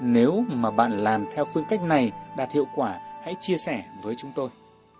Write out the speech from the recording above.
nếu mà bạn làm theo phương cách này đạt hiệu quả hãy chia sẻ với chúng tôi